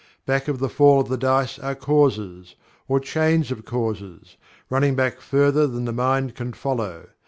Back of the fall of the die are causes, or chains of causes, running back further than the mind can follow.